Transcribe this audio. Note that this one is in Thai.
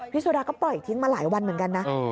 สุดาก็ปล่อยทิ้งมาหลายวันเหมือนกันนะ